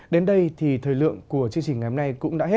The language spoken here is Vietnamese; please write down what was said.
đến đây thì thời lượng của chương trình ngày hôm nay cũng đã hết